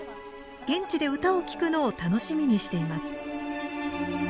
現地で唄を聴くのを楽しみにしています。